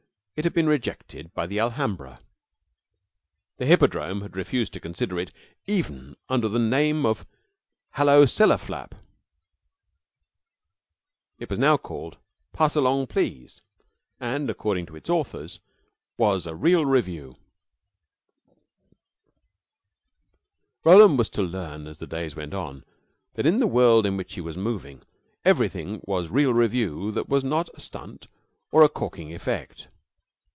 it had been rejected by the Alhambra. The Hippodrome had refused to consider it, even under the name of "Hullo, Cellar Flap!" It was now called, "Pass Along, Please!" and, according to its authors, was a real revue. Roland was to learn, as the days went on, that in the world in which he was moving everything was real revue that was not a stunt or a corking effect.